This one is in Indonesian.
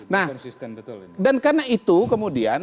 nah dan karena itu kemudian